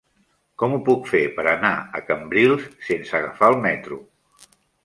Com ho puc fer per anar a Cambrils sense agafar el metro?